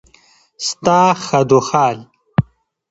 ستا خدوخال